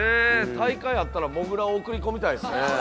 大会あったらもぐらを送り込みたいですね。